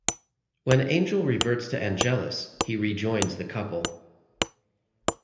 When Angel reverts to Angelus, he re-joins the couple.